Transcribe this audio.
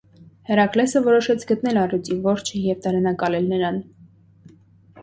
Հերակլեսը որոշեց գտնել առյուծի որջը և դարանակալել նրան։